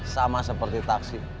sama seperti taksi